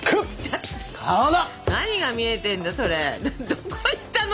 どこ行ったの？